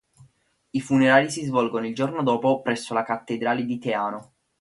I funerali si svolgono il giorno dopo presso la Cattedrale di Teano.